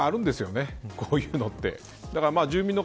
わりとよくあるんですよねこういうのって。